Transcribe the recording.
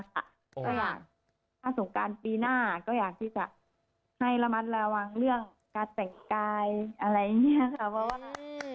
ก็อยากถ้าสงการปีหน้าก็อยากที่จะให้ระมัดระวังเรื่องการแต่งกายอะไรอย่างนี้ค่ะ